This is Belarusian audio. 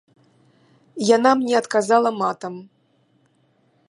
Яна мне адказала матам.